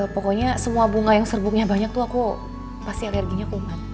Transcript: pokoknya semua bunga yang serbuknya banyak tuh aku pasti alerginya kumat